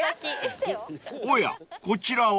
［おやこちらは？］